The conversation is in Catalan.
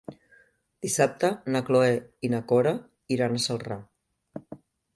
Dissabte na Cloè i na Cora iran a Celrà.